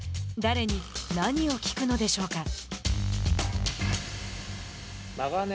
誰に、何を聞くのでしょうか。